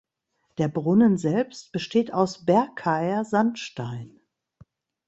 Der Brunnen selbst besteht aus Berkaer Sandstein.